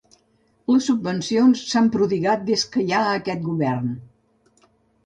Les subvencions s'han prodigat des que hi ha aquest Govern.